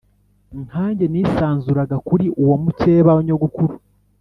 nkange nisanzuraga kuri uwo mukeba wa nyogokuru